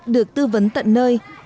được tư vấn tận nơi